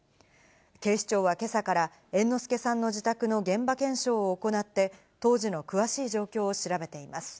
警視庁は今朝から猿之助さんの自宅の現場検証を行って、当時の詳しい状況を調べています。